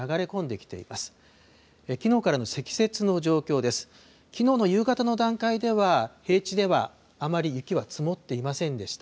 きのうの夕方の段階では、平地ではあまり雪は積もっていませんでした。